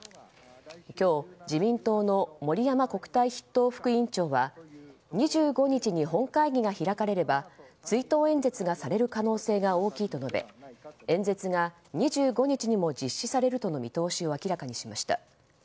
今日、自民党の盛山国対筆頭副委員長は２５日に本会議が開かれれば追悼演説がされる可能性が大きいと述べ演説が２５日にも実施されるとの見通しを明らかにしました。